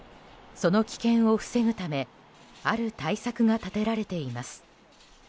その危険を防ぐためある対策が立てられています。